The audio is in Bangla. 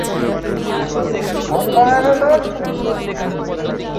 গতকাল রোববার বিকেলে বিভিন্ন স্থানে বসানো আটটি ক্যামেরা খুলে ফেলা হয়।